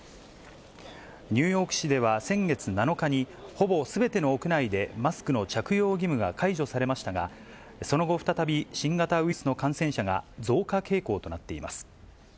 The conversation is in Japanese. ニューヨーク市では先月７日に、ほぼすべての屋内でマスクの着用義務が解除されましたが、その後、再び新型ウイルスの感染者が増加傾向となっています。